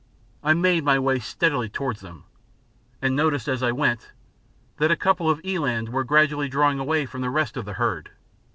I made my way steadily towards them, and noticed as I went that a couple of eland were gradually drawing away from the rest of the herd.